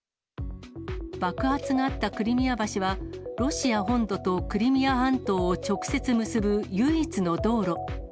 爆発があったクリミア橋は、ロシア本土とクリミア半島を直接結ぶ唯一の道路。